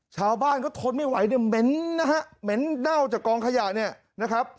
ชาวบ้านเขาทนไม่ไหวเนี่ยเหม็นนะฮะเหม็นเน่าจากกองขยะเนี่ยนะครับ